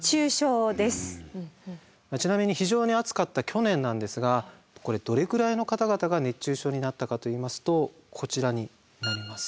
ちなみに非常に暑かった去年なんですがこれどれくらいの方々が熱中症になったかといいますとこちらになります。